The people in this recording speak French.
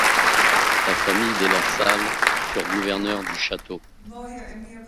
La famille des La Salle furent gouverneurs du château.